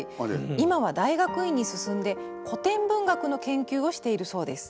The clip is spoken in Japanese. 今は大学院に進んで古典文学の研究をしているそうです。